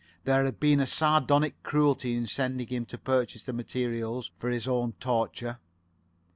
There had been a sardonic cruelty in sending him to purchase the materials for his own torture.